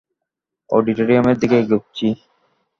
অডিটোরিয়ামের দিকে এগোচ্ছি।